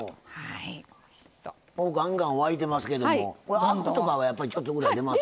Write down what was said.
ガンガン沸いてますけどもアクとかはやっぱりちょっとぐらい出ます？